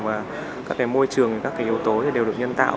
và các cái môi trường các cái yếu tố thì đều được nhân tạo